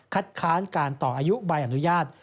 ค้านการต่ออายุใบอนุญาต